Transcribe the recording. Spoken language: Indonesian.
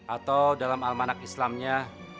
atau dalam almanak islamnya